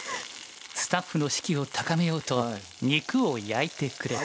スタッフの士気を高めようと肉を焼いてくれた。